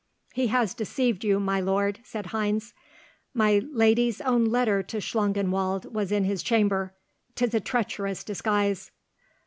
"He has deceived you, my lord," said Heinz. "My lady's own letter to Schlangenwald was in his chamber. 'Tis a treacherous disguise."